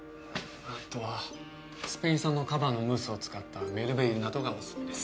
あとはスペイン産のカヴァのムースを使ったメルベイユなどがオススメです